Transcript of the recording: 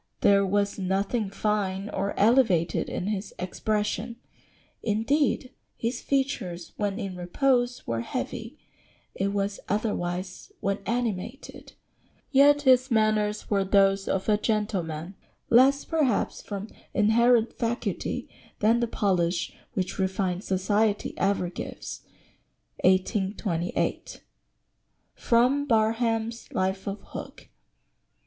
There was nothing fine or elevated in his expression; indeed, his features when in repose were heavy; it was otherwise when animated; yet his manners were those of a gentleman, less, perhaps, from inherent faculty than the polish which refined society ever gives." 1828. [Sidenote: Barham's Life of Hook.